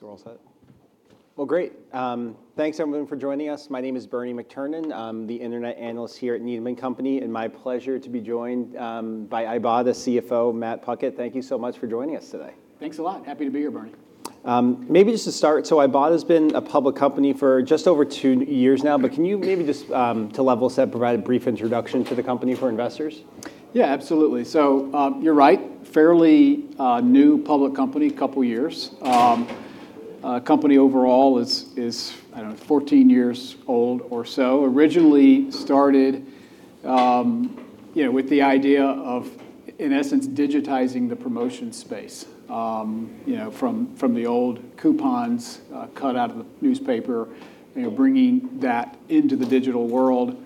We're all set. Well, great. Thanks everyone for joining us. My name is Bernie McTernan. I'm the Internet Analyst here at Needham & Company. My pleasure to be joined by Ibotta Chief Financial Officer, Matt Puckett. Thank you so much for joining us today. Thanks a lot. Happy to be here, Bernie. Maybe just to start, Ibotta's been a public company for just over two years now. Okay. Can you maybe just, to level us up, provide a brief introduction to the company for investors? Yeah, absolutely. You're right, fairly new public company, two years. Company overall is, I don't know, 14 years old or so. Originally started, you know, with the idea of, in essence, digitizing the promotion space. You know, from the old coupons, cut out of the newspaper, you know, bringing that into the digital world.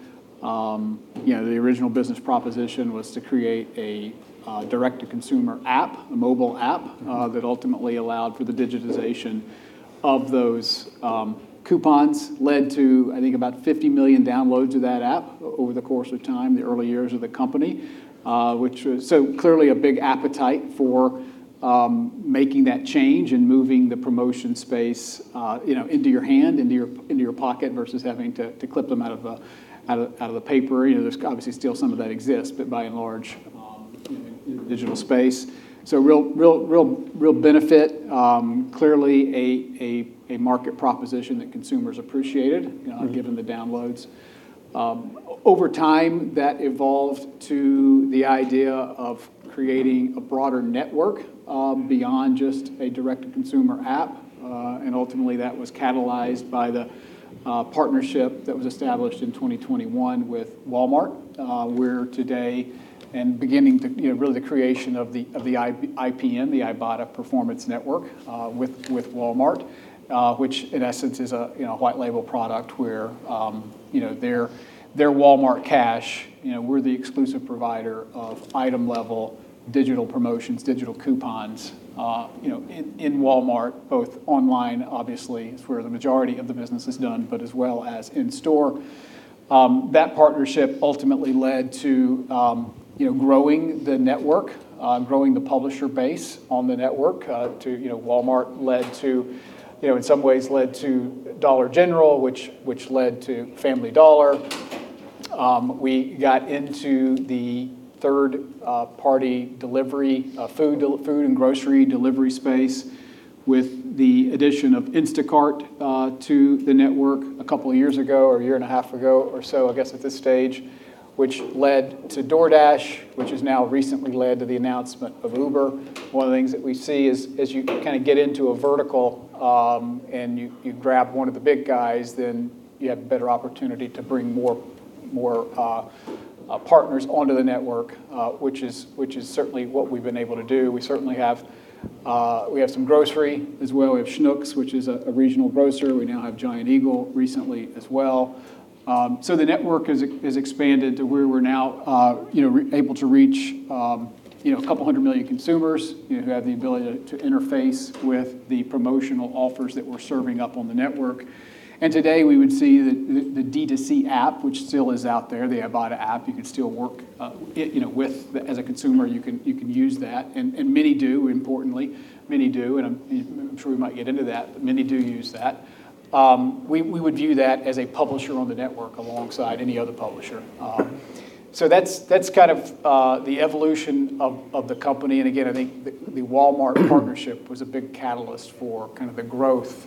You know, the original business proposition was to create a direct-to-consumer app, a mobile app. That ultimately allowed for the digitization of those coupons. Led to, I think, about 50 million downloads of that app over the course of time, the early years of the company. Which was so clearly a big appetite for making that change and moving the promotion space, you know, into your hand, into your pocket versus having to clip them out of the paper. You know, there's obviously still some of that exists, but by and large, in the digital space. Real benefit. Clearly a market proposition that consumers appreciated. Given the downloads. Over time, that evolved to the idea of creating a broader network beyond just a direct-to-consumer app. Ultimately, that was catalyzed by the partnership that was established in 2021 with Walmart. We're today and beginning to really the creation of the IPN, the Ibotta Performance Network, with Walmart. Which in essence is a white label product where their Walmart Cash. We're the exclusive provider of item level digital promotions, digital coupons in Walmart, both online, obviously, is where the majority of the business is done, but as well as in store. That partnership ultimately led to, you know, growing the network, growing the publisher base on the network, to, you know, Walmart led to, in some ways led to Dollar General, which led to Family Dollar. We got into the third party delivery, food and grocery delivery space with the addition of Instacart to the network a couple of years ago, or a year and a half ago or so, I guess, at this stage, which led to DoorDash, which has now recently led to the announcement of Uber. One of the things that we see is, as you kind of get into a vertical, and you grab one of the big guys, then you have a better opportunity to bring more partners onto the network, which is certainly what we've been able to do. We certainly have some grocery as well. We have Schnucks, which is a regional grocer. We now have Giant Eagle recently as well. The network has expanded to where we're now, you know, able to reach, you know, a couple hundred million consumers, you know, who have the ability to interface with the promotional offers that we're serving up on the network. Today, we would see the D2C app, which still is out there, the Ibotta app. You can still work, you know, as a consumer, you can use that, and many do, importantly. Many do, and you know, I'm sure we might get into that, but many do use that. We would view that as a publisher on the network alongside any other publisher. That's kind of the evolution of the company. Again, I think the Walmart partnership was a big catalyst for kind of the growth,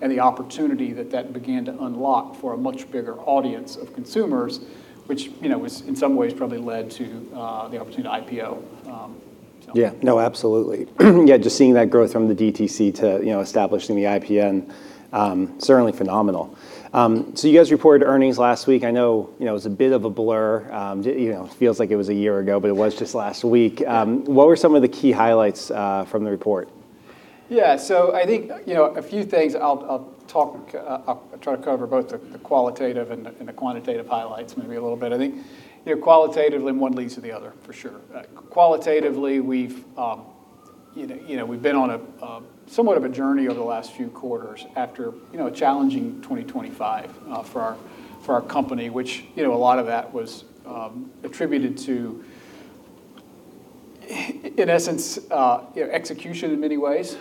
and the opportunity that that began to unlock for a much bigger audience of consumers, which, you know, was, in some ways probably led to the opportunity to IPO. Yeah. No, absolutely. Yeah, just seeing that growth from the DTC to, you know, establishing the IPN, certainly phenomenal. You guys reported earnings last week. I know, you know, it was a bit of a blur. You know, it feels like it was a year ago, but it was just last week. What were some of the key highlights from the report? Yeah. I think, you know, a few things I'll talk, I'll try to cover both the qualitative and the quantitative highlights maybe a little bit. I think, you know, qualitatively, one leads to the other, for sure. Qualitatively, we've, you know, we've been on a somewhat of a journey over the last few quarters after, you know, a challenging 2025 for our company, which, you know, a lot of that was attributed to, in essence, you know, execution in many ways.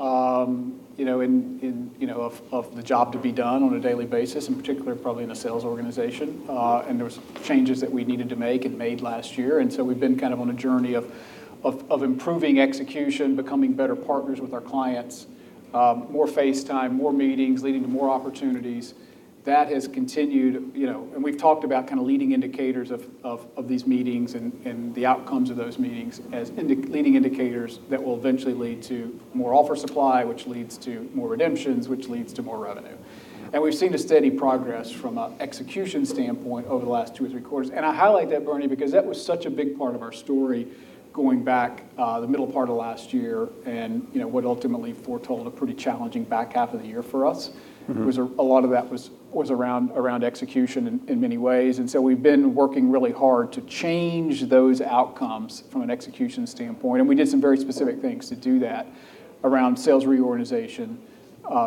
You know, in, you know, of the job to be done on a daily basis, in particular, probably in the sales organization. There was changes that we needed to make and made last year. We've been kind of on a journey of improving execution, becoming better partners with our clients. More face time, more meetings, leading to more opportunities. That has continued, you know, and we've talked about kind of leading indicators of these meetings and the outcomes of those meetings as leading indicators that will eventually lead to more offer supply, which leads to more redemptions, which leads to more revenue. We've seen a steady progress from an execution standpoint over the last two or three quarters. I highlight that, Bernie, because that was such a big part of our story going back the middle part of last year and, you know, what ultimately foretold a pretty challenging back half of the year for us. A lot of that was around execution in many ways. We've been working really hard to change those outcomes from an execution standpoint. We did some very specific things to do that around sales reorganization,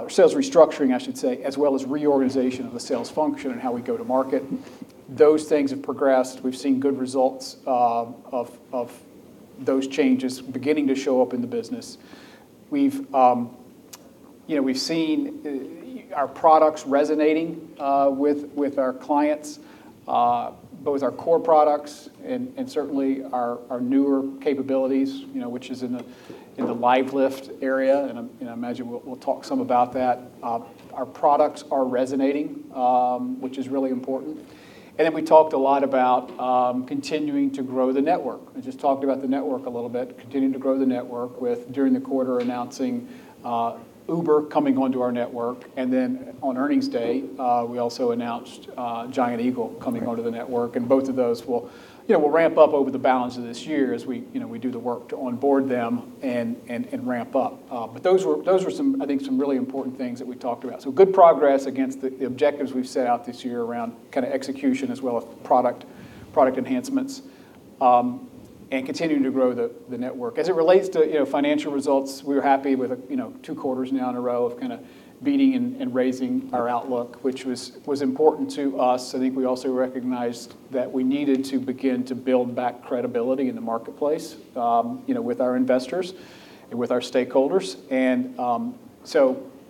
sales restructuring, I should say, as well as reorganization of the sales function and how we go to market. Those things have progressed. We've seen good results of those changes beginning to show up in the business. We've, you know, we've seen our products resonating with our clients, both our core products and certainly our newer capabilities, you know, which is in the LiveLift area, and I'm, you know, imagine we'll talk some about that. Our products are resonating, which is really important. We talked a lot about continuing to grow the network. We just talked about the network a little bit, continuing to grow the network with, during the quarter, announcing Uber coming onto our network, on earnings day, we also announced Giant Eagle coming onto the network. Both of those will, you know, will ramp up over the balance of this year as we, you know, we do the work to onboard them and ramp up. Those were some, I think, some really important things that we talked about. Good progress against the objectives we've set out this year around kinda execution as well as product enhancements, and continuing to grow the network. As it relates to, you know, financial results, we're happy with a, you know, two quarters now in a row of kind of beating and raising our outlook, which was important to us. I think we also recognized that we needed to begin to build back credibility in the marketplace, you know, with our investors and with our stakeholders.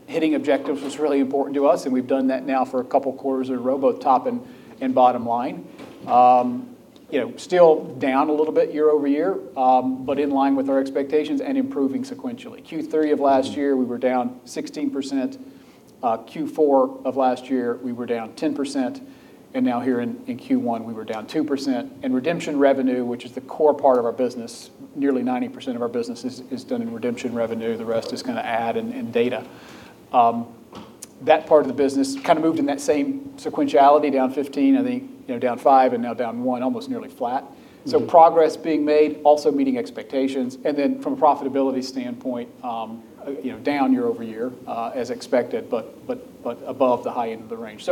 Hitting objectives was really important to us, and we've done that now for a couple quarters in a row, both top and bottom line. Still down a little bit YoY, but in line with our expectations and improving sequentially. Q3 of last year, we were down 16%. Q4 of last year we were down 10%, and now here in Q1 we were down 2%. Redemption revenue, which is the core part of our business, nearly 90% of our business is done in redemption revenue. The rest is kinda ad and data. That part of the business kinda moved in that same sequentiality, down 15, I think, you know, down five, and now down one, almost nearly flat. Progress being made, also meeting expectations. From a profitability standpoint, you know, down YoY, as expected, but above the high end of the range.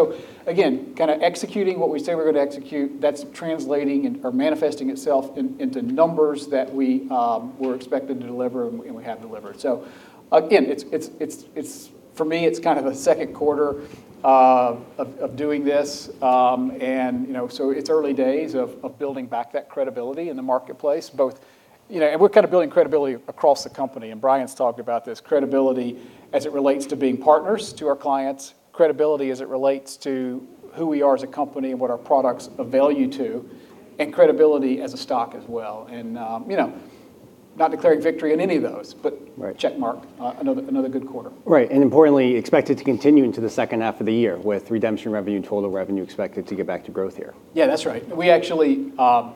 Again, kind of executing what we say we're going to execute, that's translating and, or manifesting itself into numbers that we were expected to deliver and we have delivered. Again, it's for me, it's kind of a second quarter of doing this. And you know, it's early days of building back that credibility in the marketplace, both, you know, and we're kind of building credibility across the company, and Bryan's talked about this. Credibility as it relates to being partners to our clients, credibility as it relates to who we are as a company and what our products of value to, and credibility as a stock as well. You know, not declaring victory in any of those. Right Check mark. Another good quarter. Right. Importantly, expect it to continue into the second half of the year with redemption revenue and total revenue expected to get back to growth here. Yeah, that's right. We actually, it's a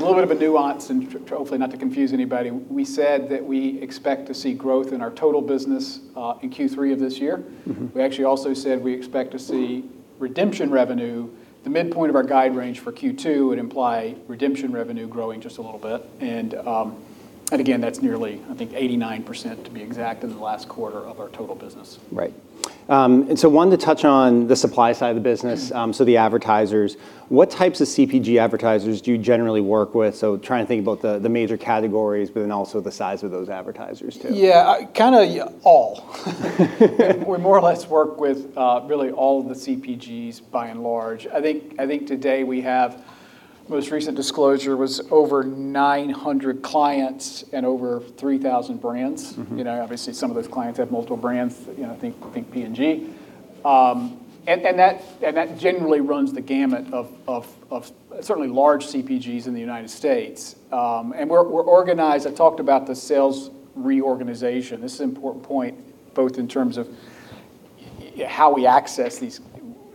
little bit of a nuance and hopefully not to confuse anybody. We said that we expect to see growth in our total business in Q3 of this year. We actually also said we expect to see redemption revenue, the midpoint of our guide range for Q2 would imply redemption revenue growing just a little bit. Again, that's nearly, I think, 89% to be exact in the last quarter of our total business. Right. wanted to touch on the supply side of the business, the advertisers. What types of CPG advertisers do you generally work with, trying to think about the major categories, but then also the size of those advertisers too? Yeah. Kinda all. We more or less work with really all of the CPGs by and large. I think today we have most recent disclosure was over 900 clients and over 3,000 brands. You know, obviously some of those clients have multiple brands, you know, think P&G. That generally runs the gamut of certainly large CPGs in the United States. We're organized I talked about the sales reorganization. This is an important point both in terms of how we access these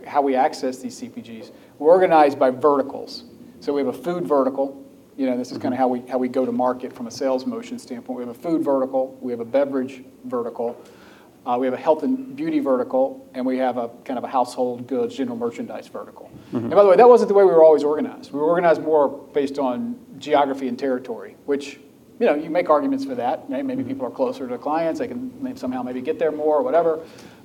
CPGs. We're organized by verticals. We have a food vertical. Kind of how we go to market from a sales motion standpoint. We have a food vertical, we have a beverage vertical, we have a health and beauty vertical, and we have a kind of a household goods, general merchandise vertical. By the way, that wasn't the way we were always organized. We were organized more based on geography and territory, which, you know, you make arguments for that. Maybe people are closer to clients, they can somehow maybe get there more or whatever.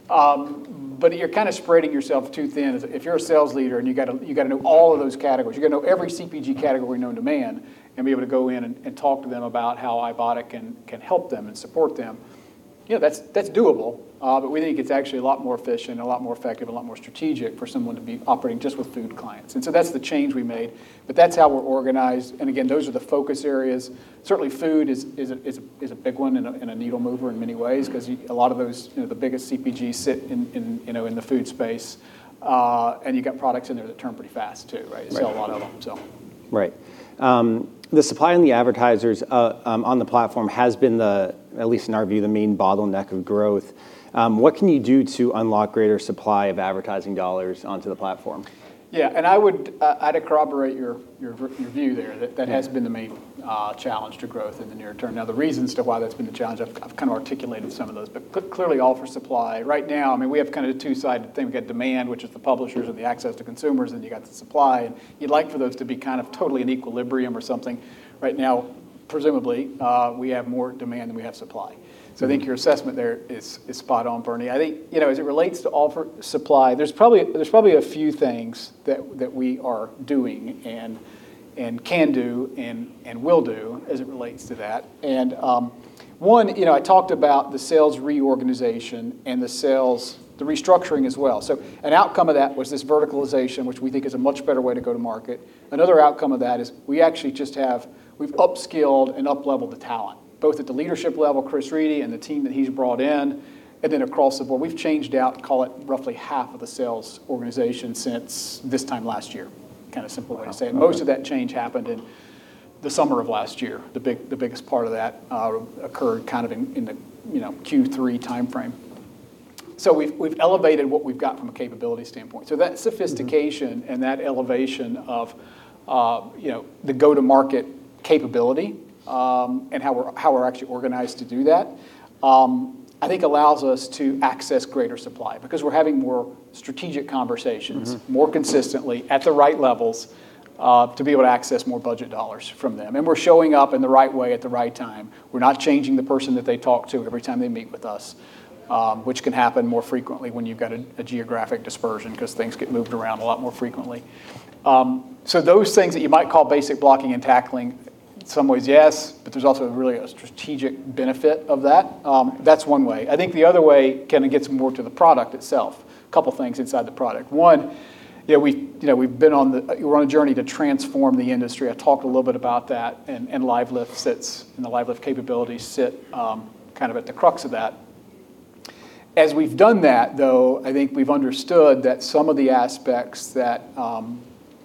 You're kinda spreading yourself too thin. If you're a sales leader and you gotta know all of those categories, you gotta know every CPG category known to man, and be able to go in and talk to them about how Ibotta can help them and support them. You know, that's doable. We think it's actually a lot more efficient, a lot more effective, a lot more strategic for someone to be operating just with food clients. That's the change we made, that's how we're organized. Again, those are the focus areas. Certainly food is a big one and a needle mover in many ways. Because a lot of those, you know, the biggest CPG sit in, you know, in the food space. You got products in there that turn pretty fast too, right? Right. Sell a lot of them. Right. The supply and the advertisers on the platform has been the, at least in our view, the main bottleneck of growth. What can you do to unlock greater supply of advertising dollars onto the platform? Yeah. I would, I'd corroborate your view there. That, that has been the main challenge to growth in the near term. Now, the reasons to why that's been the challenge, I've kind of articulated some of those. Clearly offer supply right now, I mean, we have kind of the two sided thing. We got demand, which is the publishers or the access to consumers, then you got the supply. You'd like for those to be kind of totally in equilibrium or something. Right now, presumably, we have more demand than we have supply. Okay. I think your assessment there is spot on, Bernie. I think, you know, as it relates to offer supply, there's probably a few things that we are doing and can do and will do as it relates to that. One, you know, I talked about the sales reorganization and the sales restructuring as well. An outcome of that was this verticalization, which we think is a much better way to go to market. Another outcome of that is we've upskilled and upleveled the talent, both at the leadership level, Chris Riedy and the team that he's brought in, and then across the board. We've changed out, call it, roughly half of the sales organization since this time last year. Kind of simple way to say it. Wow. Okay. Most of that change happened in the summer of last year. The biggest part of that occurred kind of in the, you know, Q3 timeframe. We've elevated what we've got from a capability standpoint. That sophistication and that elevation of, you know, the go-to-market capability, and how we're actually organized to do that, I think allows us to access greater supply. Because we're having more strategic conversations. More consistently at the right levels to be able to access more budget dollars from them. We're showing up in the right way at the right time. We're not changing the person that they talk to every time they meet with us. Which can happen more frequently when you've got a geographic dispersion, 'cause things get moved around a lot more frequently. Those things that you might call basic blocking and tackling, in some ways, yes, but there's also really a strategic benefit of that. That's one way. I think the other way kind of gets more to the product itself. Couple things inside the product. One, you know, we're on a journey to transform the industry. I talked a little bit about that, and LiveLift sits, and the LiveLift capabilities sit, kind of at the crux of that. As we've done that, though, I think we've understood that some of the aspects that,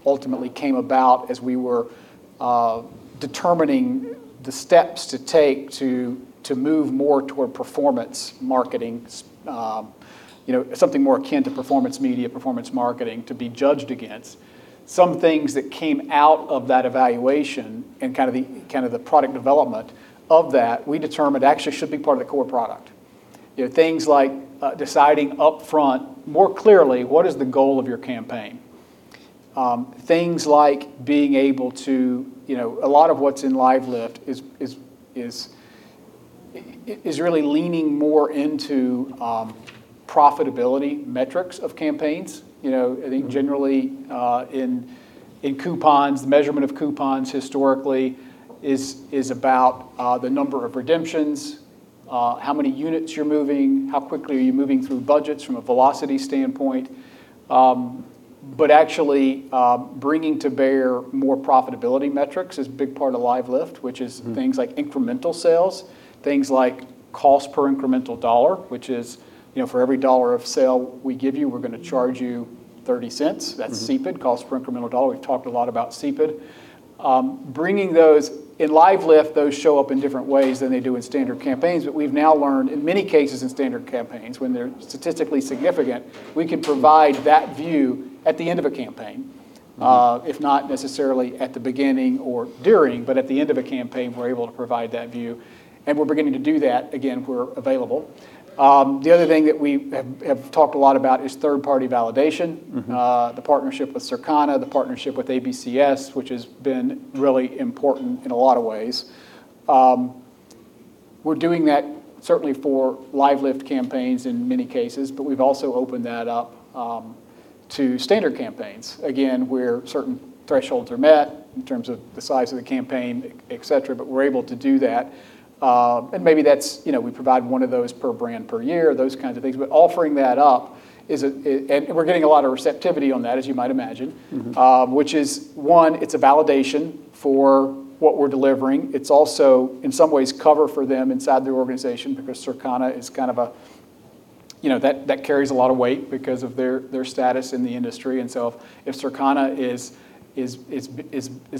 ultimately came about as we were, determining the steps to take to move more toward performance marketing, you know, something more akin to performance media, performance marketing to be judged against. Some things that came out of that evaluation and kind of the, kind of the product development of that, we determined actually should be part of the core product. You know, things like deciding upfront more clearly what is the goal of your campaign. Things like being able to You know, a lot of what's in LiveLift is really leaning more into profitability metrics of campaigns. I think generally, in coupons, the measurement of coupons historically is about the number of redemptions, how many units you're moving, how quickly are you moving through budgets from a velocity standpoint. Actually, bringing to bear more profitability metrics is a big part of LiveLift. Which is things like incremental sales. Things like cost per incremental dollar, which is, you know, for every $1 of sale we give you, we're gonna charge you $0.30. That's CPID, cost per incremental dollar. Bringing those In LiveLift, those show up in different ways than they do in standard campaigns. We've now learned, in many cases in standard campaigns, when they're statistically significant, we can provide that view at the end of a campaign. If not necessarily at the beginning or during, but at the end of a campaign, we're able to provide that view, and we're beginning to do that. Again, we're available. The other thing that we have talked a lot about is third-party validation. The partnership with Circana, the partnership with ABCS, which has been really important in a lot of ways. We're doing that certainly for lift campaigns in many cases, but we've also opened that up to standard campaigns. Again, where certain thresholds are met in terms of the size of the campaign, et cetera, but we're able to do that. Maybe that's, you know, we provide one of those per brand per year, those kinds of things. Offering that up is a. We're getting a lot of receptivity on that, as you might imagine. Which is, one, it's a validation for what we're delivering. It's also, in some ways, cover for them inside their organization because Circana is kind of a you know, that carries a lot of weight because of their status in the industry. If Circana is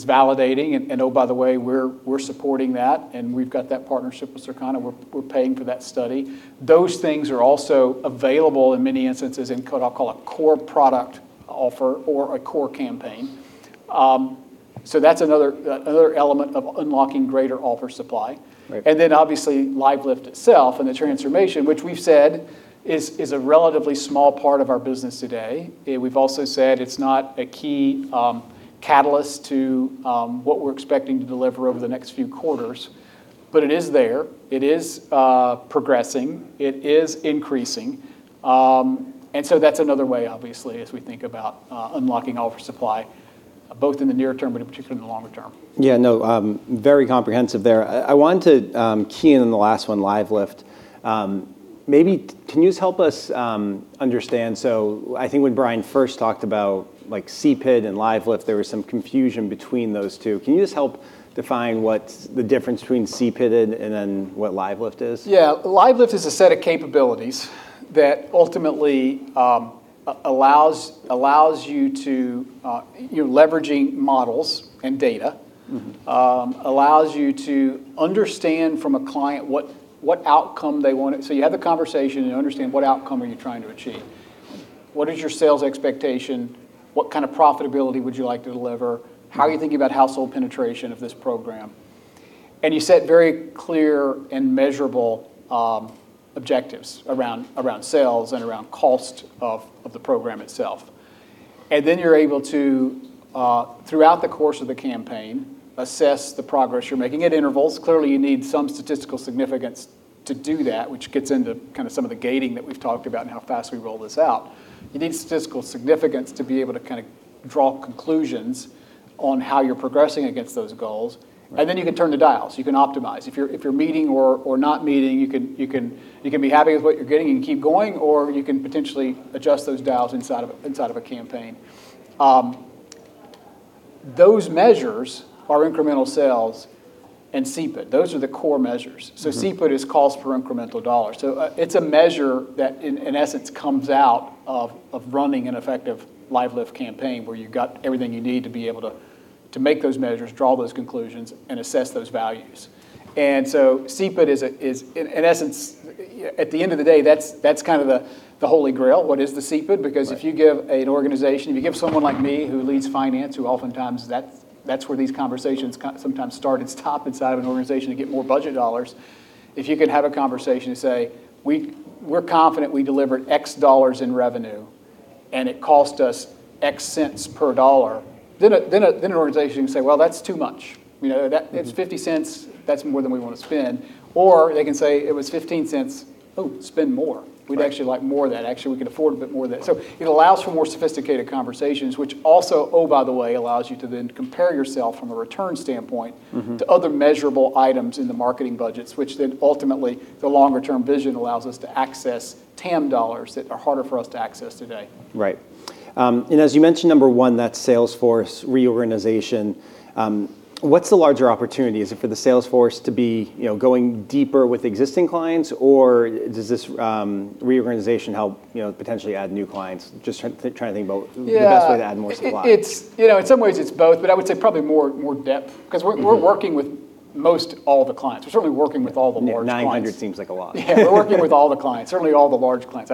validating and, oh, by the way, we're supporting that, and we've got that partnership with Circana, we're paying for that study. Those things are also available in many instances in what I'll call a core product offer or a core campaign. That's another element of unlocking greater offer supply. Right. Obviously LiveLift itself and the transformation, which we've said is a relatively small part of our business today. We've also said it's not a key catalyst to what we're expecting to deliver over the next few quarters, but it is there. It is progressing. It is increasing. That's another way obviously, as we think about unlocking offer supply both in the near term, but in particular in the longer term. Very comprehensive there. I wanted to key in on the last one, LiveLift. Maybe can you help us understand I think when Bryan Leach first talked about, like, CPID and LiveLift, there was some confusion between those two. Can you just help define what's the difference between CPID and then what LiveLift is? Yeah. LiveLift is a set of capabilities that ultimately you're leveraging models and data. Allows you to understand from a client what outcome they want. You have the conversation, you understand what outcome are you trying to achieve. What is your sales expectation? What kind of profitability would you like to deliver? How are you thinking about household penetration of this program? You set very clear and measurable objectives around sales and around cost of the program itself. Then you're able to, throughout the course of the campaign, assess the progress you're making at intervals. Clearly, you need some statistical significance to do that, which gets into kind of some of the gating that we've talked about and how fast we roll this out, you need statistical significance to be able to kind of draw conclusions on how you're progressing against those goals, then you can turn the dials. You can optimize. If you're meeting or not meeting, you can be happy with what you're getting and keep going, or you can potentially adjust those dials inside of a campaign. Those measures are incremental sales and CPID. Those are the core measures. CPID is cost per incremental dollar. It's a measure that in essence comes out of running an effective LiveLift campaign where you've got everything you need to be able to make those measures, draw those conclusions, and assess those values. CPID is in essence at the end of the day, that's kind of the Holy Grail, what is the CPID. Right. Because if you give an organization, if you give someone like me who leads finance, who oftentimes that's where these conversations sometimes start and stop inside of an organization to get more budget dollars, if you can have a conversation to say, "We're confident we delivered $X in revenue, and it cost us $0.XX per dollar," then an organization can say, "Well, that's too much. You know. It's $0.50, that's more than we want to spend. They can say, "It was $0.15. Oh, spend more. Right. We'd actually like more of that. Actually, we can afford a bit more of that. It allows for more sophisticated conversations, which also, oh, by the way, allows you to then compare yourself from a return standpoint. To other measurable items in the marketing budgets, which then ultimately the longer term vision allows us to access TAM dollars that are harder for us to access today. Right. As you mentioned, number one, that Salesforce reorganization, what's the larger opportunity? Is it for the Salesforce to be, you know, going deeper with existing clients, or does this reorganization help, you know, potentially add new clients? Just trying to think about. Yeah The best way to add more supply. It's, you know, in some ways it's both, but I would say probably more, more depth. Because we're working with most all the clients. We're certainly working with all the large clients. 900 seems like a lot. Yeah, we're working with all the clients, certainly all the large clients.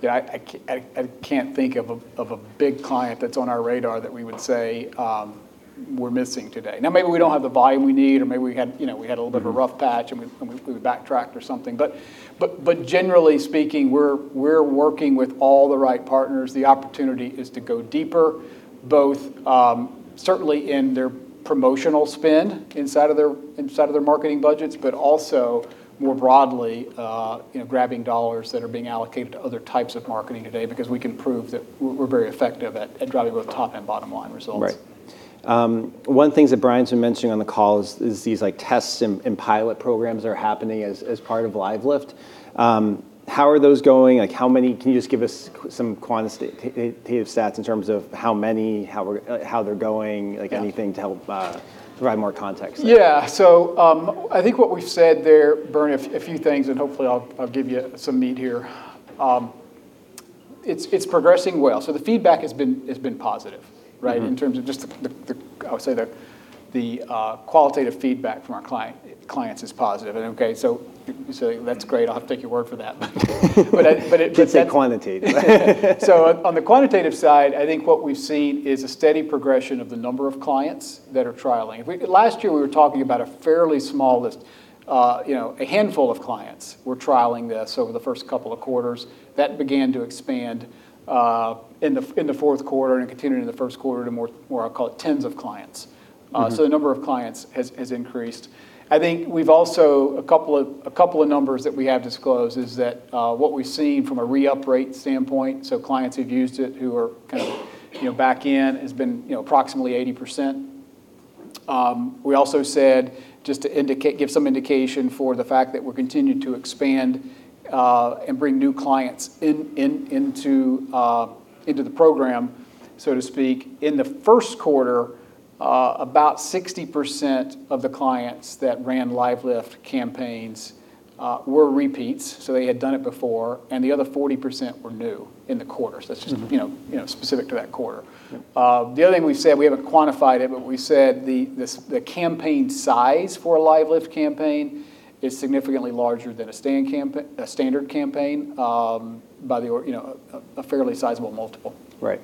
Yeah, I can't think of a big client that's on our radar that we would say we're missing today. maybe we don't have the volume we need, or maybe we had, you know. Of a rough patch, and we backtracked or something. Generally speaking, we're working with all the right partners. The opportunity is to go deeper, both certainly in their promotional spend inside of their marketing budgets, but also more broadly, you know, grabbing dollars that are being allocated to other types of marketing today because we can prove that we're very effective at driving both top and bottom line results. Right. One of the things that Bryan's been mentioning on the call is these, like, tests and pilot programs are happening as part of LiveLift. How are those going? Can you just give us some quantitative stats in terms of how many, how they're going? Yeah Like anything to help, provide more context there? Yeah. I think what we've said there, Bernie, a few things, and hopefully I'll give you some meat here. It's progressing well. The feedback has been, it's been positive, right? In terms of just the, I would say the qualitative feedback from our clients is positive. Okay, so that's great. I'll have to take your word for that. Let's say quantitative. On the quantitative side, I think what we've seen is a steady progression of the number of clients that are trialing. Last year we were talking about a fairly small list. You know, a handful of clients were trialing this over the first couple of quarters. That began to expand in the fourth quarter and continued in the first quarter to I'll call it, tens of clients. The number of clients has increased. I think we've also, a couple of numbers that we have disclosed is that what we've seen from a re-up rate standpoint, so clients who've used it who are, you know, back in, has been, you know, approximately 80%. We also said, just to indicate, give some indication for the fact that we're continuing to expand and bring new clients into the program, so to speak. In the first quarter, about 60% of the clients that ran LiveLift campaigns were repeats, so they had done it before, and the other 40% were new in the quarter. That's just, you know, specific to that quarter. Yeah. The other thing we've said, we haven't quantified it, but we said the campaign size for a LiveLift campaign is significantly larger than a standard campaign, by the or, you know, a fairly sizable multiple. Right.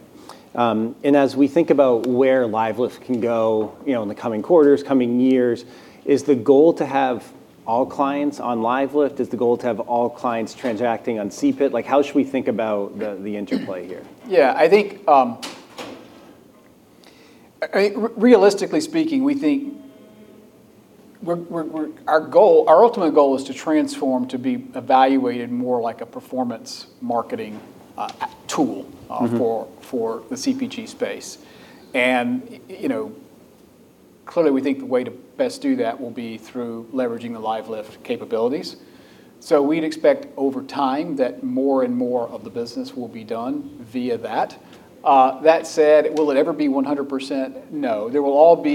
As we think about where LiveLift can go, you know, in the coming quarters, coming years, is the goal to have all clients on LiveLift? Is the goal to have all clients transacting on CPID? Like, how should we think about the interplay here? Yeah, I think, realistically speaking, we think Our goal, our ultimate goal is to transform to be evaluated more like a performance marketing tool. For the CPG space. You know, clearly we think the way to best do that will be through leveraging the LiveLift capabilities. We'd expect over time that more and more of the business will be done via that. That said, will it ever be 100%? No. There will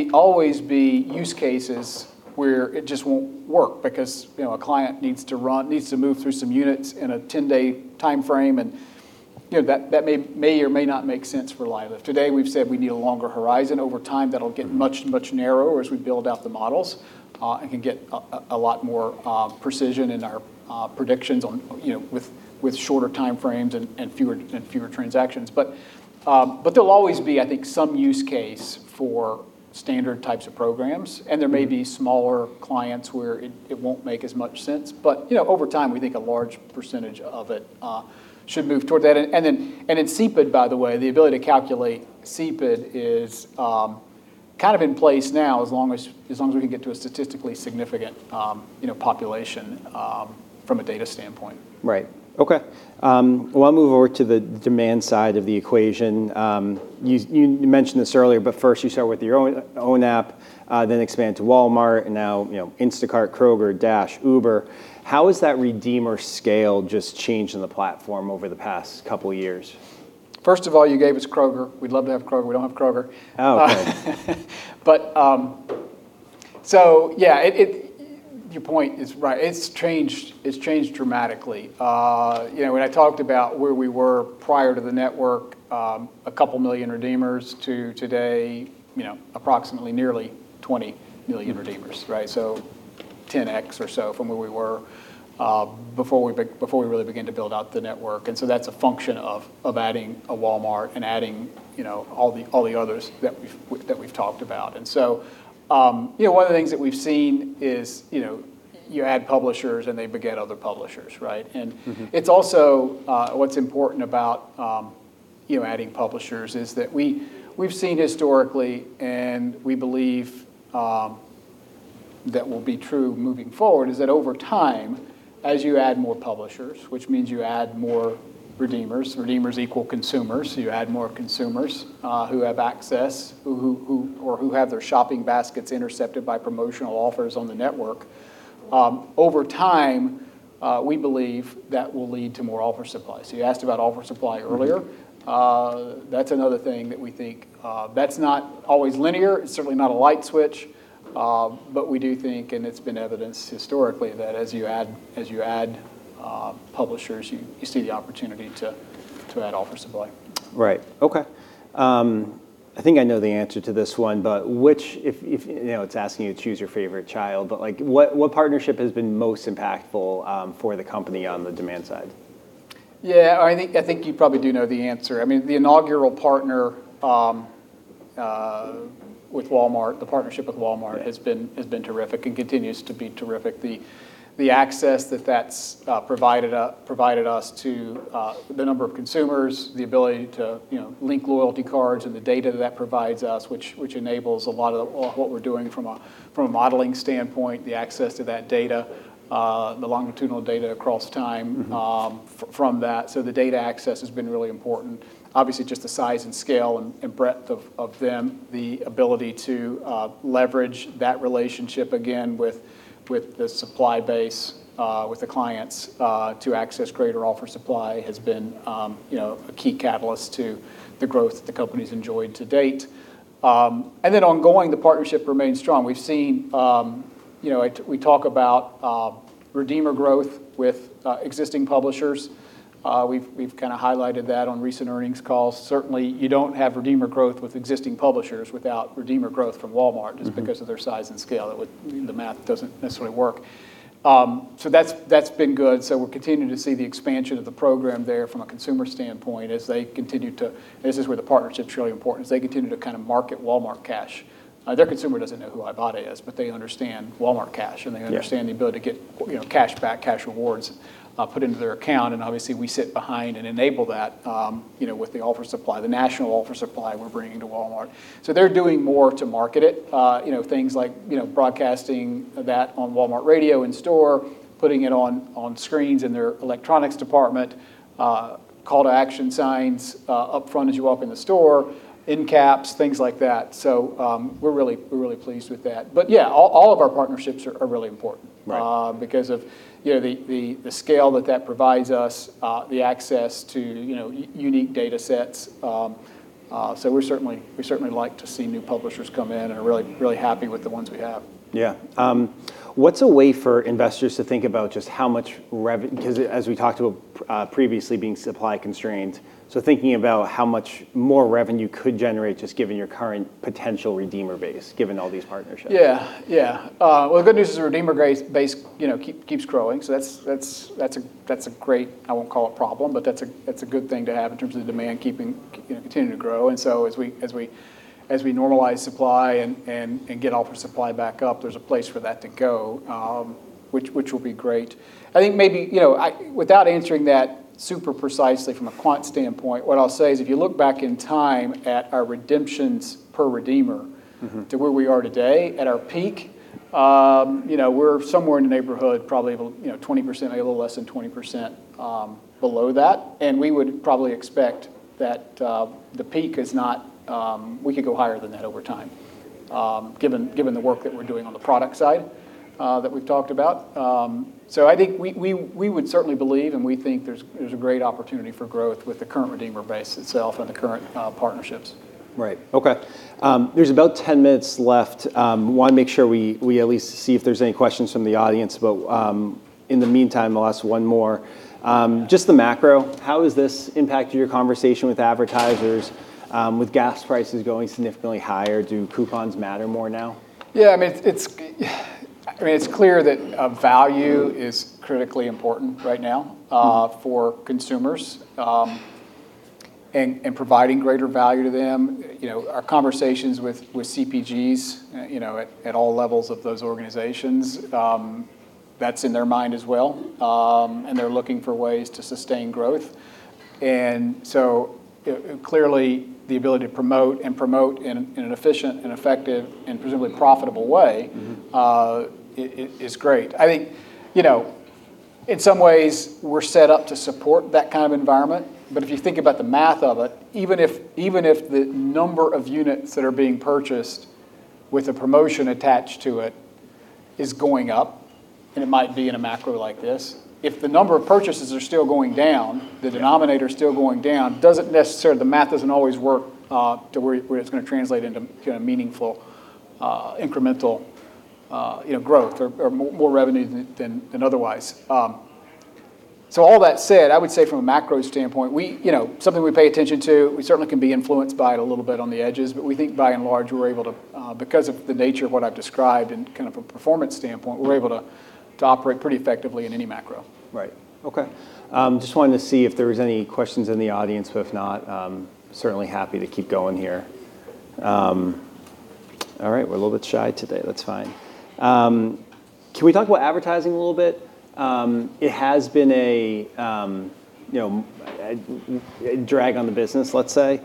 always be use cases where it just won't work because, you know, a client needs to run, needs to move through some units in a 10-day timeframe, and, you know, that may or may not make sense for LiveLift. Today, we've said we need a longer horizon. Over time, that'll get much narrower as we build out the models and can get a lot more precision in our predictions on, you know, with shorter timeframes and fewer transactions. There'll always be, I think, some use case for standard types of programs. There may be smaller clients where it won't make as much sense. You know, over time, we think a large percentage of it should move toward that. In CPID, by the way, the ability to calculate CPID is kind of in place now, as long as we can get to a statistically significant, you know, population from a data standpoint. Right. Okay. Well, I'll move over to the demand side of the equation. You mentioned this earlier, but first you start with your own app, then expand to Walmart and now, you know, Instacart, Kroger, Dash, Uber. How has that redeemer scale just changed in the platform over the past couple years? First of all, you gave us Kroger. We'd love to have Kroger. We don't have Kroger. Oh, okay. Yeah, your point is right. It's changed dramatically. You know, when I talked about where we were prior to the network, a couple of million redeemers to today, you know, approximately nearly 20 million redeemers, right? 10x or so from where we were before we really began to build out the network. That's a function of adding a Walmart and adding, you know, all the others that we've talked about. You know, one of the things that we've seen is, you know, you add publishers and they beget other publishers, right? It's also what's important about adding publishers is that we've seen historically, and we believe that will be true moving forward, is that over time, as you add more publishers, which means you add more redeemers equal consumers, so you add more consumers who have access, or who have their shopping baskets intercepted by promotional offers on the network. Over time, we believe that will lead to more offer supply. You asked about offer supply earlier. That's another thing that we think that's not always linear. It's certainly not a light switch. We do think, and it's been evidenced historically, that as you add publishers, you see the opportunity to add offer supply. Right. Okay. I think I know the answer to this one, but which if you know, it's asking you to choose your favorite child, but like what partnership has been most impactful for the company on the demand side? I think you probably do know the answer. I mean, the inaugural partner with Walmart, the partnership with Walmart has been terrific and continues to be terrific. The access that that's provided us to the number of consumers, the ability to, you know, link loyalty cards and the data that provides us, which enables a lot of what we're doing from a modeling standpoint, the access to that data, the longitudinal data across time. From that. The data access has been really important. Obviously, just the size and scale and breadth of them, the ability to leverage that relationship again with the supply base, with the clients, to access greater offer supply has been, you know, a key catalyst to the growth that the company's enjoyed to date. Then ongoing, the partnership remains strong. We've seen, you know We talk about redeemer growth with existing publishers. We've kind of highlighted that on recent earnings calls. Certainly, you don't have redeemer growth with existing publishers without redeemer growth from Walmart. Just because of their size and scale. The math doesn't necessarily work. That's been good. We're continuing to see the expansion of the program there from a consumer standpoint as they continue to. This is where the partnership's really important, is they continue to kind of market Walmart Cash. Their consumer doesn't know who Ibotta is, but they understand Walmart Cash. Yeah They understand the ability to get, you know, cash back, cash rewards, put into their account. Obviously we sit behind and enable that, you know, with the offer supply, the national offer supply we're bringing to Walmart. They're doing more to market it, you know, things like, you know, broadcasting that on Walmart Radio in store, putting it on screens in their electronics department, call to action signs up front as you walk in the store, end caps, things like that. We're really pleased with that. Yeah, all of our partnerships are really important. Right Because of, you know, the scale that that provides us, the access to, you know, unique data sets. We certainly like to see new publishers come in and are really happy with the ones we have. Yeah. What's a way for investors to think about just how much reve- 'Cause as we talked about previously being supply constrained, so thinking about how much more revenue could generate just given your current potential redeemer base, given all these partnerships. Yeah. Yeah. Well, the good news is the redeemer base, you know, keeps growing. That's a great, I won't call it problem, but that's a good thing to have in terms of demand keeping, you know, continuing to grow. As we normalize supply and get offer supply back up, there's a place for that to go, which will be great. I think maybe, you know, without answering that super precisely from a quant standpoint, what I'll say is if you look back in time at our redemptions per redeemer. To where we are today, at our peak, you know, we're somewhere in the neighborhood, probably a little, you know, 20%, maybe a little less than 20%, below that. We would probably expect that the peak is not. We could go higher than that over time, given the work that we're doing on the product side, that we've talked about. I think we would certainly believe, and we think there's a great opportunity for growth with the current redeemer base itself and the current partnerships. Right. Okay. There's about 10 minutes left. Wanna make sure we at least see if there's any questions from the audience. In the meantime, I'll ask one more. Just the macro, how has this impacted your conversation with advertisers? With gas prices going significantly higher, do coupons matter more now? Yeah, I mean, it's clear that value is critically important right now for consumers, and providing greater value to them. You know, our conversations with CPGs, you know, at all levels of those organizations, that's in their mind as well. So, clearly the ability to promote and promote in an efficient and effective and presumably profitable way. Is great. I think, you know, in some ways we're set up to support that kind of environment. If you think about the math of it, even if the number of units that are being purchased with a promotion attached to it is going up, and it might be in a macro like this, if the number of purchases are still going down. Yeah The denominator is still going down, the math doesn't always work, to where it's gonna translate into, you know, meaningful, incremental, you know, growth or more revenue than otherwise. All that said, I would say from a macro standpoint, You know, something we pay attention to, we certainly can be influenced by it a little bit on the edges. We think by and large, we're able to because of the nature of what I've described in kind of a performance standpoint, we're able to operate pretty effectively in any macro. Right. Okay. Just wanted to see if there was any questions in the audience. If not, certainly happy to keep going here. All right, we're a little bit shy today. That's fine. Can we talk about advertising a little bit? It has been a, you know, a drag on the business, let's say.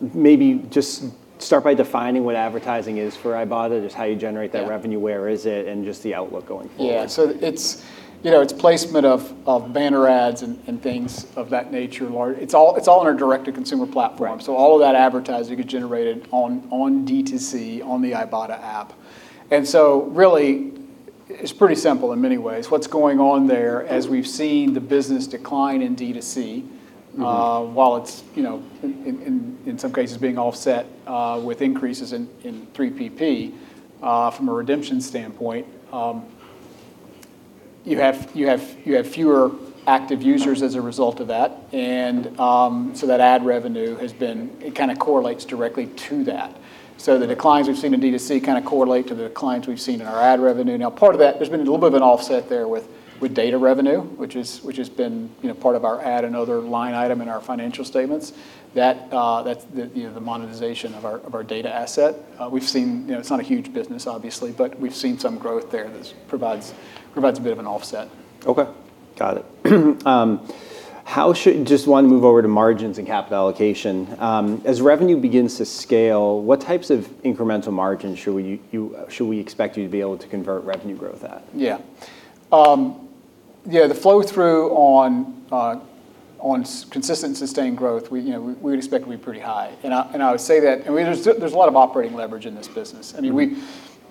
Maybe just start by defining what advertising is for Ibotta. Just how you generate that revenue? Yeah Where is it, and just the outlook going forward. Yeah. It's, you know, it's placement of banner ads and things of that nature. It's all on our direct-to-consumer platform. Right. All of that advertising gets generated on D2C, on the Ibotta app. Really it's pretty simple in many ways. What's going on there, as we've seen the business decline in D2C. While it's, you know, in some cases being offset with increases in 3PP from a redemption standpoint, you have fewer active users as a result of that. That ad revenue kind of correlates directly to that. The declines we've seen in D2C kind of correlate to the declines we've seen in our ad revenue. Now, part of that, there's been a little bit of an offset there with data revenue, which has been, you know, part of our ad and other line item in our financial statements, the monetization of our data asset. We've seen, you know, it's not a huge business obviously, but we've seen some growth there that provides a bit of an offset. Okay. Got it. Just want to move over to margins and capital allocation. As revenue begins to scale, what types of incremental margins should we expect you to be able to convert revenue growth at? Yeah, the flow-through on consistent sustained growth, we, you know, we would expect to be pretty high. I would say that there's a lot of operating leverage in this business. I mean,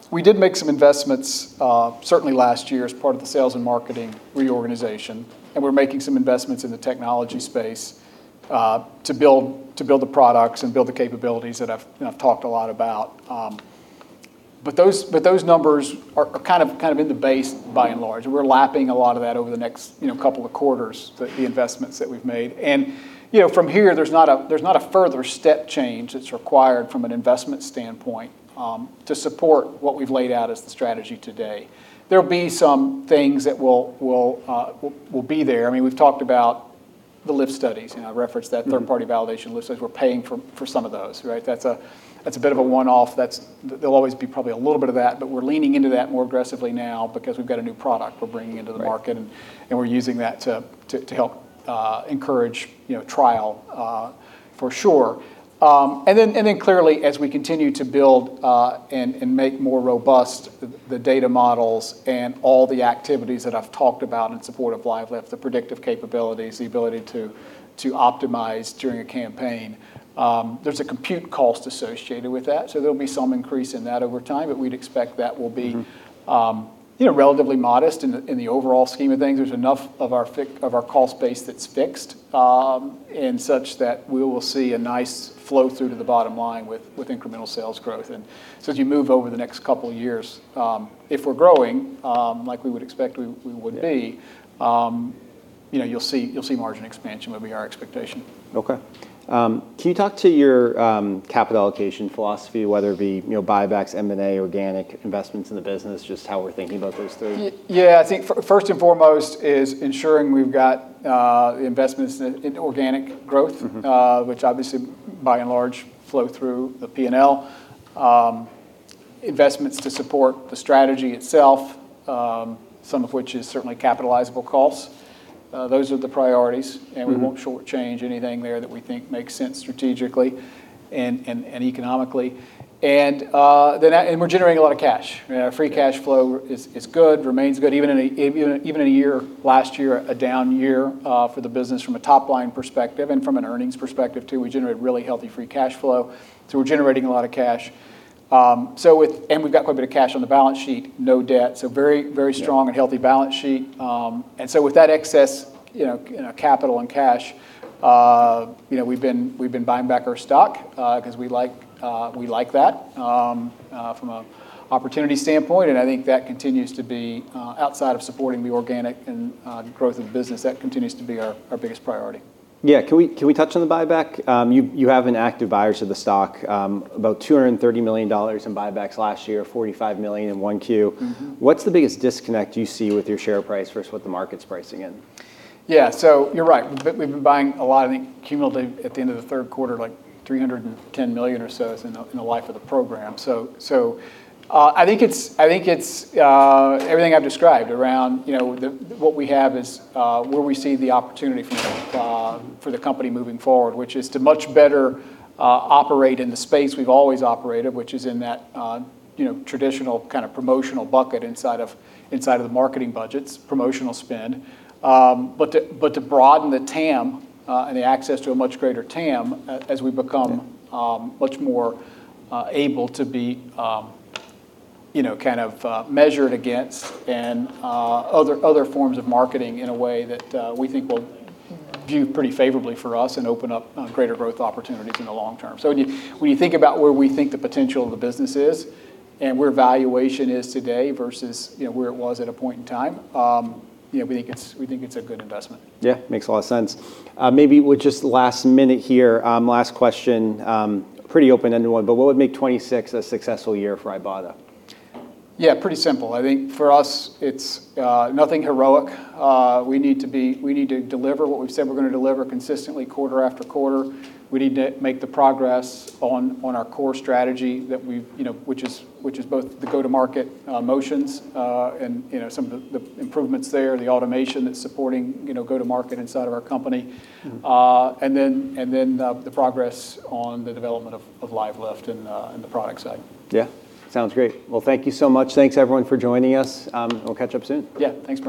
we did make some investments certainly last year as part of the sales and marketing reorganization, and we're making some investments in the technology space to build the products and build the capabilities that I've, you know, talked a lot about. Those numbers are kind of in the base by and large. We're lapping a lot of that over the next, you know, couple of quarters, the investments that we've made. You know, from here, there's not a, there's not a further step change that's required from an investment standpoint to support what we've laid out as the strategy today. There'll be some things that will be there. I mean, we've talked about the lift studies, and I referenced that third party validation lift studies we're paying for some of those, right? That's a bit of a one-off. There'll always be probably a little bit of that, but we're leaning into that more aggressively now because we've got a new product we're bringing into the market. Right We're using that to help encourage, you know, trial, for sure. Then clearly as we continue to build, and make more robust the data models and all the activities that I've talked about in support of LiveLift, the predictive capabilities, the ability to optimize during a campaign, there's a compute cost associated with that. There'll be some increase in that over time, but we'd expect that will be, you know, relatively modest in the overall scheme of things. There's enough of our cost base that's fixed, and such that we will see a nice flow through to the bottom line with incremental sales growth. As you move over the next couple of years, if we're growing, like we would expect. Yeah You know, you'll see margin expansion would be our expectation. Okay. Can you talk to your capital allocation philosophy, whether it be, you know, buybacks, M&A, organic investments in the business, just how we're thinking about those three? Yeah, I think first and foremost is ensuring we've got investments in organic growth. Which obviously by and large flow through the P&L. Investments to support the strategy itself, some of which is certainly capitalizable costs. Those are the priorities. We won't shortchange anything there that we think makes sense strategically and economically. We're generating a lot of cash. You know, free cash flow is good, remains good even in a year, last year, a down year for the business from a top-line perspective and from an earnings perspective too. We generate really healthy free cash flow. We're generating a lot of cash. We've got quite a bit of cash on the balance sheet, no debt, so very strong. Yeah And healthy balance sheet. With that excess, you know, capital and cash, you know, we've been buying back our stock, 'cause we like, we like that from a opportunity standpoint. I think that continues to be outside of supporting the organic and growth of the business, that continues to be our biggest priority. Yeah. Can we touch on the buyback? You have been active buyers of the stock, about $230 million in buybacks last year, $45 million in 1Q. What's the biggest disconnect you see with your share price versus what the market's pricing in? Yeah. You're right. We've been buying a lot, I think cumulative at the end of the third quarter, like $310 million or so in the life of the program. I think it's everything I've described around, you know, what we have is where we see the opportunity from a for the company moving forward, which is to much better operate in the space we've always operated, which is in that, you know, traditional kind of promotional bucket inside of the marketing budgets, promotional spend. But to broaden the TAM and the access to a much greater TAM as we become- Yeah ...much more, able to be, you know, kind of, measured against in other forms of marketing in a way that we think will view pretty favorably for us and open up greater growth opportunities in the long term. When you, when you think about where we think the potential of the business is and where valuation is today versus, you know, where it was at a point in time, you know, we think it's, we think it's a good investment. Yeah. Makes a lot of sense. Maybe with just last minute here, last question, pretty open-ended one, what would make 2026 a successful year for Ibotta? Yeah, pretty simple. I think for us it's, nothing heroic. We need to deliver what we've said we're gonna deliver consistently quarter after quarter. We need to make the progress on our core strategy that we've, you know, which is, which is both the go-to-market motions, and, you know, some of the improvements there, the automation that's supporting, you know, go-to-market inside of our company. Then the progress on the development of LiveLift and the product side. Yeah. Sounds great. Well, thank you so much. Thanks everyone for joining us. We'll catch up soon. Yeah. Thanks, Bernie.